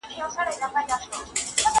نويو ځوانانو د پخوانيو سياسي خلګو فکر وڅېړه.